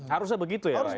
harusnya begitu ya pak ya